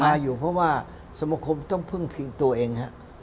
ก็ติดปัญหาอยู่เพราะว่าสมคมต้องพึ่งตัวเอง